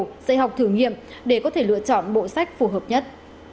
dạy học thử nghiệm để có thể lựa chọn bộ sách phù hợp nhất